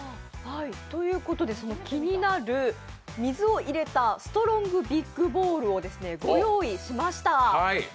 気になる水を入れたストロングビッグボールをご用意しました。